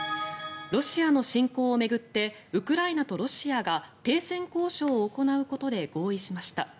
ロシアの侵攻を巡ってウクライナとロシアが停戦交渉を行うことで合意しました。